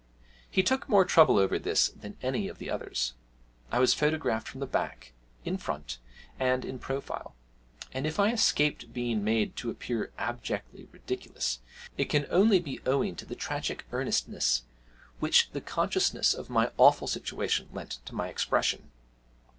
He took more trouble over this than any of the others; I was photographed from the back, in front, and in profile; and if I escaped being made to appear abjectly ridiculous, it can only be owing to the tragic earnestness which the consciousness of my awful situation lent to my expression.